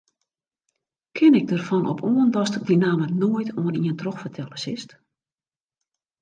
Kin ik derfan op oan datst dy namme noait oan ien trochfertelle silst?